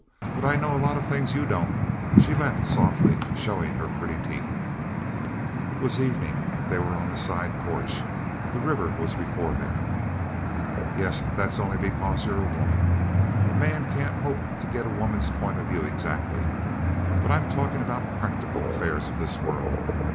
But I know a lot of things you don't know." She laughed softly, showing her pretty teeth. It was evening. They were on the side porch. The river was before them. "Yes, but that's only because you're a woman. A man can't hope to get a woman's point of view exactly. But I'm talking about practical affairs of this world.